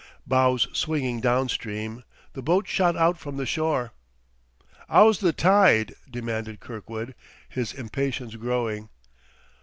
Bows swinging down stream, the boat shot out from the shore. "How's the tide?" demanded Kirkwood, his impatience growing.